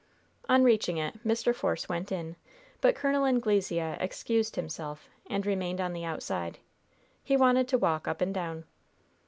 On reaching it, Mr. Force went in; but Col. Anglesea excused himself, and remained on the outside. He wanted to walk up and down.